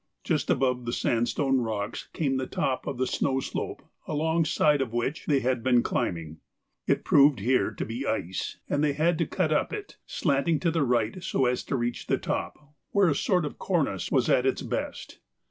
Just above the sandstone rocks came the top of the snow slope alongside of which they had been climbing. It proved here to be ice, and they had to cut up it, slanting to the right so as to reach the top, where a sort of cornice was at its best.